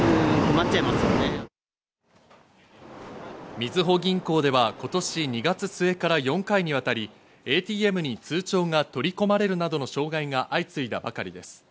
みずほ銀行では今年２月末から４回にわたり、ＡＴＭに通帳が取り込まれるなどの障害が相次いだばかりです。